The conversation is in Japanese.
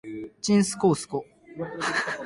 ちんすこうすこ